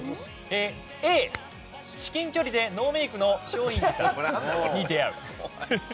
Ａ、至近距離でノーメイクの松陰寺さんに出会う。